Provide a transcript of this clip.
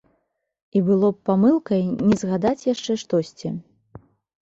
І было б памылкай не згадаць яшчэ штосьці.